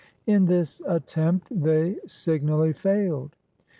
In this attempt they signally failed.